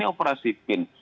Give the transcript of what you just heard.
ini operasi pin